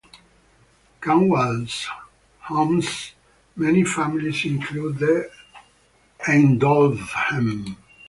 Kanwal homes many family's including the Eyndohvens.